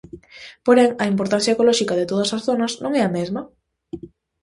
Porén, a importancia ecolóxica de todas as zonas non é a mesma.